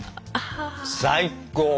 最高！